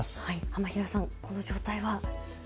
浜平さん、この状態は。